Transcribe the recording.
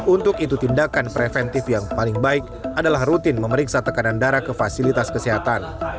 untuk itu tindakan preventif yang paling baik adalah rutin memeriksa tekanan darah ke fasilitas kesehatan